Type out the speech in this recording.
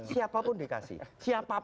siapapun dikasih siapapun